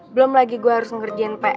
belum lagi gue harus ngerjain pr buat besok